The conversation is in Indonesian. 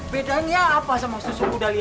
bedanya apa sama susu muda liat